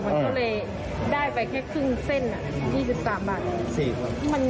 มันก็เลยได้ไปแค่ครึ่งเส้น๒๓บาท